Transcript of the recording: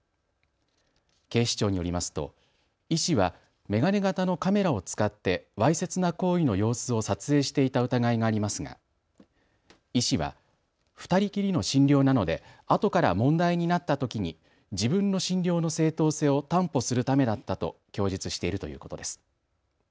警視庁によりますと医師は眼鏡型のカメラを使ってわいせつな行為の様子を撮影していた疑いがありますが医師は２人きりの診療なのであとから問題になったときに自分の診療の正当性を担保するためだったと供述しているということです。